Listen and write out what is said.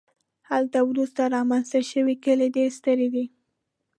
هلته وروسته رامنځته شوي کلي ډېر ستر دي